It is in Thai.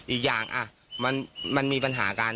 อีกอย่างมันมีปัญหากัน